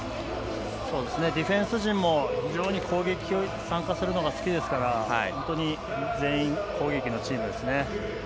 ディフェンス陣も攻撃に参加するのが好きですから本当に全員攻撃のチームですね。